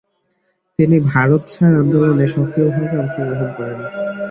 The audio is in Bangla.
তিনি ভারত ছাড় আন্দোলনে সক্রিয়ভাবে অংশগ্রহণ করেন।